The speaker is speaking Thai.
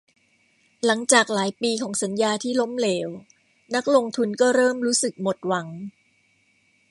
หลังจากหลายปีของสัญญาที่ล้มเหลว นักลงทุนก็เริ่มรู้สึกหมดหวัง